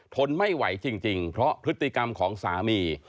ทนไม่ไหวจริงเพราะพฤติกรรมของสามี